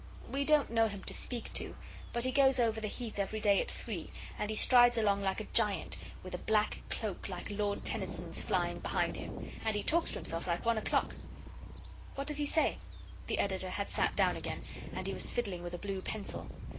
'We don't know him to speak to. But he goes over the Heath every day at three, and he strides along like a giant with a black cloak like Lord Tennyson's flying behind him, and he talks to himself like one o'clock.' 'What does he say?' The Editor had sat down again, and he was fiddling with a blue pencil.